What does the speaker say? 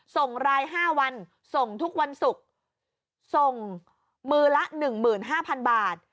ส่งราย๕วันส่งทุกวันศุกร์ส่งมือละ๑๕๐๐๐บาท